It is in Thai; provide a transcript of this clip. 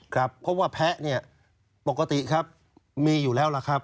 ครับเพราะว่าแพ้เนี่ยปกติครับมีอยู่แล้วล่ะครับ